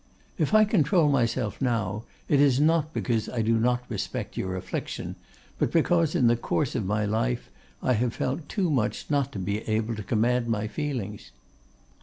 If I control myself now, it is not because I do not respect your affliction, but because, in the course of my life, I have felt too much not to be able to command my feelings.